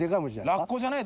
ラッコじゃない？